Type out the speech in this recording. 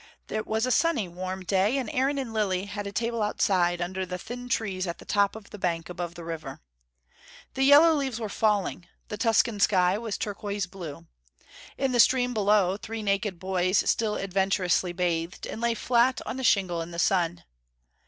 It was a sunny warm day, and Aaron and Lilly had a table outside under the thin trees at the top of the bank above the river. The yellow leaves were falling the Tuscan sky was turquoise blue. In the stream below three naked boys still adventurously bathed, and lay flat on the shingle in the sun.